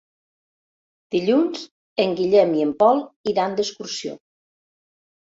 Dilluns en Guillem i en Pol iran d'excursió.